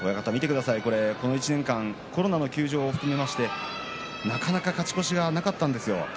この１年間コロナの休場を含めましてなかなか勝ち越しがなかったんですよ。